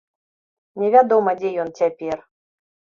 Невядома, дзе ён цяпер.